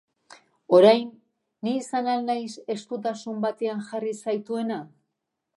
Orain, ni izan al naiz estutasun batean jarri zaituena?